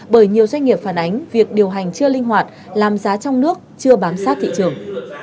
bởi nhiều doanh nghiệp phản ánh việc điều hành chưa linh hoạt làm giá trong nước chưa bám sát thị trường